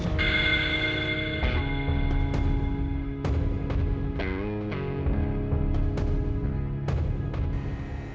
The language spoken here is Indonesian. ketemu ibu panti